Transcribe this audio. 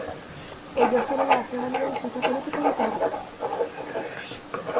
Ello solo lo hace válido en ciencias políticas y económicas.